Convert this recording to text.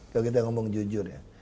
kalau kita ngomong jujur ya